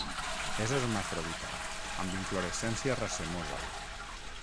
És hermafrodita, amb inflorescència racemosa.